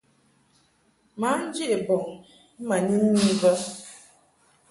Mǎ nje bɔŋ ma ni mi bə.